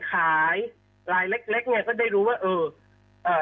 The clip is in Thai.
ขายรายเล็กเนี่ยก็ได้รู้ว่าเออ